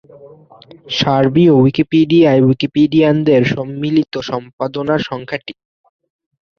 সার্বীয় উইকিপিডিয়ায় উইকিপিডিয়ানদের সম্মিলিত সম্পাদনার সংখ্যা টি।